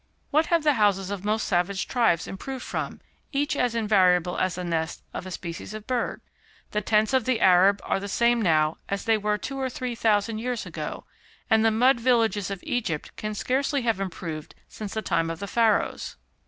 What have the houses of most savage tribes improved from, each as invariable as the nest of a species of bird? The tents of the Arab are the same now as they were two or three thousand years ago, and the mud villages of Egypt can scarcely have improved since the time of the Pharaohs.